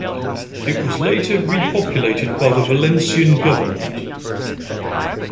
It was later repopulated by the Valencian government.